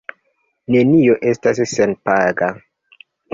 Nenio estas senpaga.